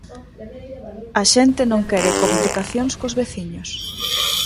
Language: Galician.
A xente non quere complicacións cos veciños.